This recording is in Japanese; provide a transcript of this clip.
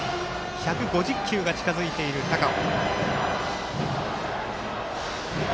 １５０球が近づいている、高尾。